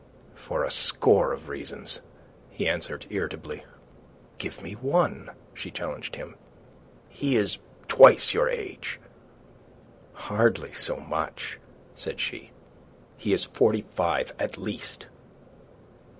"For a score of reasons," he answered irritably. "Give me one," she challenged him. "He is twice your age." "Hardly so much," said she. "He is forty five, at least."